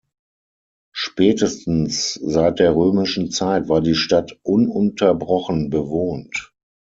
Spätestens seit der römischen Zeit war die Stadt ununterbrochen bewohnt.